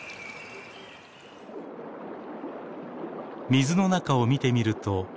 水の中を見てみると。